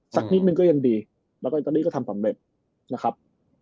สักนิดนึงก็ยังดีแล้วก็อิตาลีก็ทำสำเร็จนะครับ